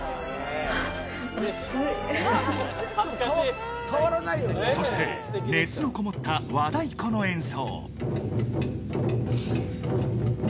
はぁ、そして、熱の込もった和太鼓の演奏。